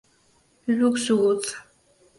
Look So Good.